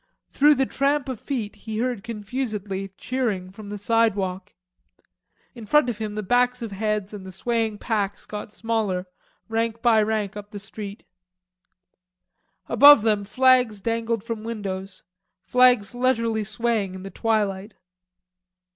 Through the tramp of feet he heard confusedly cheering from the sidewalk. In front of him the backs of heads and the swaying packs got smaller, rank by rank up the street. Above them flags dangled from windows, flags leisurely swaying in the twilight.